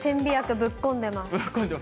ぶっ込んでます？